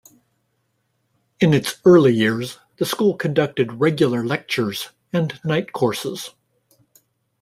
In its early years, the school conducted regular lectures and night courses.